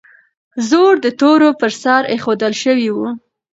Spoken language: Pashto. زور د تورو پر سر ایښودل شوی و.